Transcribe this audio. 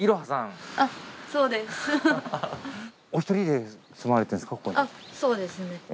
そうですね。